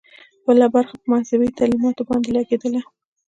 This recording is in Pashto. بله برخه پر مذهبي تعلیماتو باندې لګېدله.